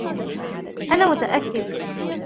أنا متأكد.